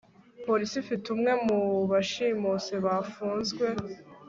polisi ifite umwe mu bashimuse bafunzwe